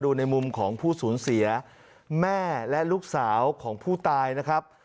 ในมุมของผู้สูญเสียแม่และลูกสาวของผู้ตายนะครับ